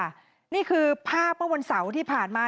นี่คือภาพเมื่อวันเสาร์ที่ผ่านมา